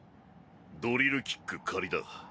「ドリルキック仮」だ。